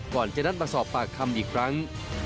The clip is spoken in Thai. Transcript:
ก่อนจะนัดมาสอบปากคำอีกครั้ง